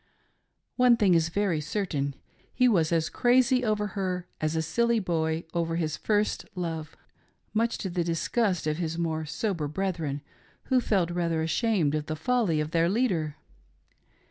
One thing is very certain — he was as crazy over her as a silly boy over his first love, much to the disgust of his more sober brethren who felt rather ashamed of the folly of their leader.